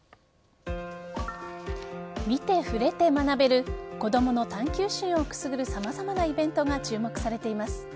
見て触れて学べる子どもの探求心をくすぐる様々なイベントが注目されています。